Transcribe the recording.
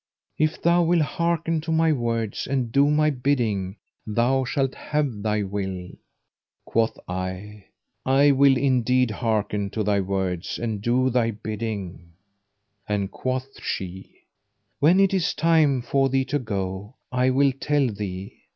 if thou wilt hearken to my words and do my bidding, thou shalt have thy will." Quoth I, "I will indeed hearken to thy words and do thy bidding;" and quoth she, "When it is time for thee to go, I will tell thee."